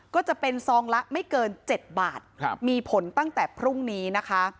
ก็จะเป็นซองละไม่เกิน๗บาทมีผลตั้งแต่พรุ่งนี้นะคะ